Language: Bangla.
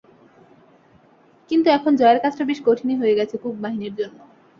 কিন্তু এখন জয়ের কাজটা বেশ কঠিনই হয়ে গেছে কুক বাহিনীর জন্য।